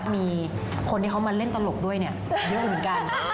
มีคนที่เขามาเล่นตลกด้วยเยอะเหมือนกัน